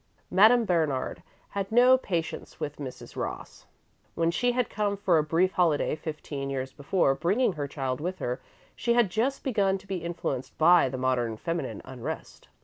Madame Bernard had no patience with Mrs. Ross. When she had come for a brief holiday, fifteen years before, bringing her child with her, she had just begun to be influenced by the modern feminine unrest.